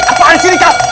apaan sih ini kak